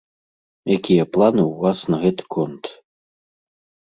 Якія планы ў вас на гэты конт?